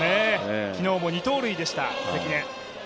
昨日も２盗塁でした、関根。